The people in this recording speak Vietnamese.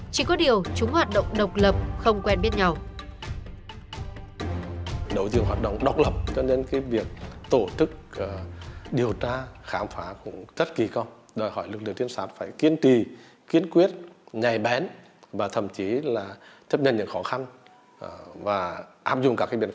chỉ có điều chúng hoạt động độc lập không quen biết nhau